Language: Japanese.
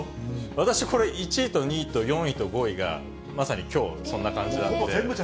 私、これ、１位と２位と４位と５位が、まさにきょうそんな感じなんで。